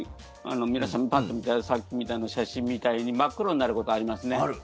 皆さん、パッと見たらさっきの写真みたいに真っ黒になることありますね。